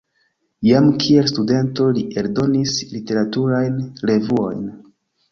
Jam kiel studento li eldonis literaturajn revuojn.